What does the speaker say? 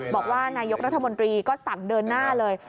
บอกว่านายกรัฐมนตรีก็สั่งเดินหน้าเลย